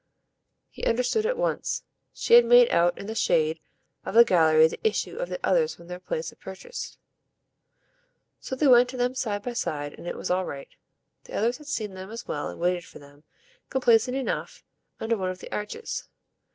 He understood at once: she had made out in the shade of the gallery the issue of the others from their place of purchase. So they went to them side by side, and it was all right. The others had seen them as well and waited for them, complacent enough, under one of the arches.